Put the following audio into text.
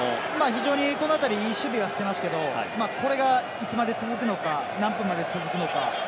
非常にこの辺りいい守備はしていますけどこれがいつまで続くのか何分まで続くのか。